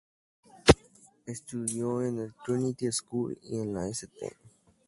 Estudió en el Trinity School y en la St.